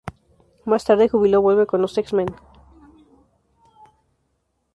Más tarde, Júbilo vuelve con los X-Men.